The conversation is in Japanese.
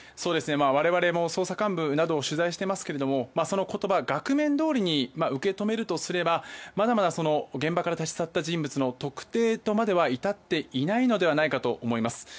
我々も捜査幹部などを取材していますがその言葉、額面どおりに受け止めるとすればまだまだ現場から立ち去った人物の特定にまでは至っていないのではないかと思います。